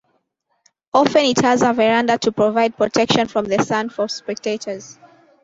Often it has a verandah to provide protection from the sun for spectators.